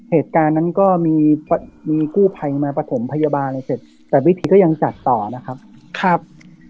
เหตุการณ์นั้นก็มีมีกู้ภัยมาประถมพยาบาลอะไรเสร็จแต่วิธีก็ยังจัดต่อนะครับครับ